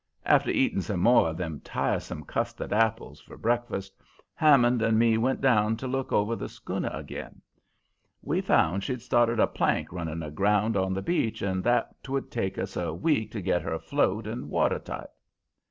After eating some more of them tiresome custard apples for breakfast, Hammond and me went down to look over the schooner agin. We found she'd started a plank running aground on the beach, and that 'twould take us a week to get her afloat and watertight.